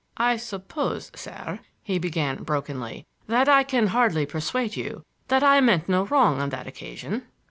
"I suppose, sir," he began brokenly, "that I can hardly persuade you that I meant no wrong on that occasion."